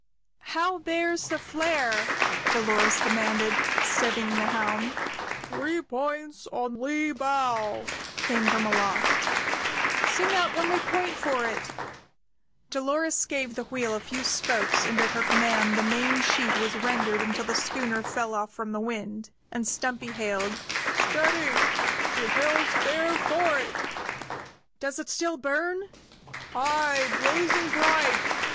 "How bears the flare?" Dolores demanded, steadying the helm. "Three points on lee bow!" came from aloft. "Sing out when we point for it!" Dolores gave the wheel a few spokes, and at her command the main sheet was rendered until the schooner fell off from the wind, and Stumpy hailed: "Steady! She heads fair for it!" "Does it still burn?" "Aye, blazing bright!